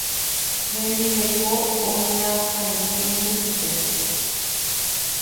Hembireko oñakãitýnte chupe.